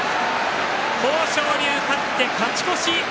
豊昇龍、勝って勝ち越し。